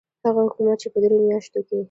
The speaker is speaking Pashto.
هغه حکومت چې په دریو میاشتو کې.